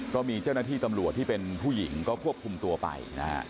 ก็มีเจ้าหน้าที่ตำรวจที่เป็นผู้หญิงก็ควบคุมตัวไปนะฮะ